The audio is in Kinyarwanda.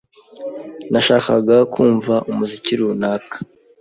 Nashakaga kumva umuziki runaka.